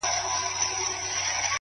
درته خبره كوم ـ